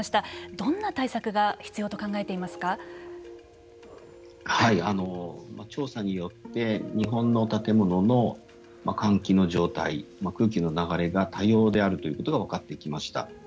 どんな対策が必要と調査によって日本の建物の換気の状態空気の流れが多様であるということが分かってきました。